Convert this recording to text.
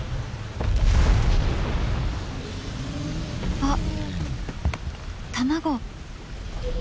あっ卵！